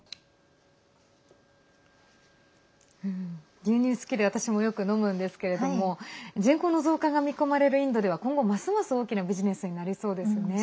牛乳好きで私もよく飲むんですけれども人口の増加が見込まれるインドでは今後ますます大きなビジネスになりそうですね。